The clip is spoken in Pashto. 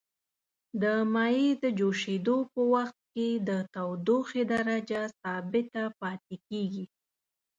د مایع د جوشیدو په وقت کې د تودوخې درجه ثابته پاتې کیږي.